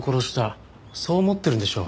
そう思ってるんでしょ？